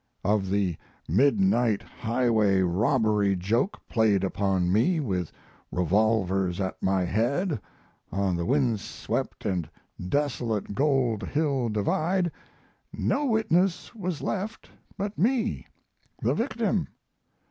Of the midnight highway robbery joke played upon me with revolvers at my head on the windswept & desolate Gold Hill Divide no witness was left but me, the victim.